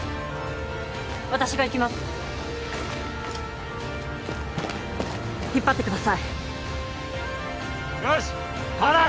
私が行きます引っ張ってくださいよし代われ！